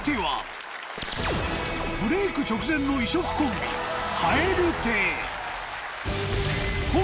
ブレイク直前の異色コンビおぉ。